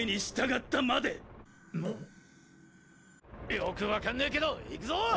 よく分かんねぇけどいくぞ！